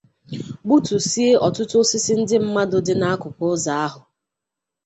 gbutusie ọtụtụ osisi ndị mmadụ dị n'akụkụ ụzọ ahụ